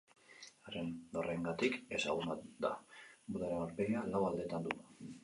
Haren dorreengatik ezaguna da: Budaren aurpegia lau aldeetan du.